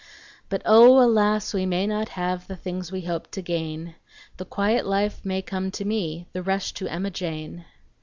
But O! alas! we may not have The things we hope to gain. The quiet life may come to me, The rush to Emma Jane!